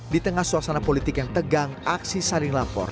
di tengah suasana politik yang tegang aksi saling lapor